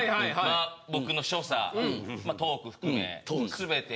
僕の所作トーク含めすべてを。